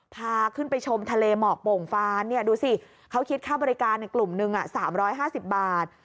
พาขึ้นไปชมทะเลหมอกโป่งฟานดูสิเขาคิดค่าบริการในกลุ่มหนึ่ง๓๕๐บาท